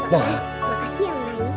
makasih ya baik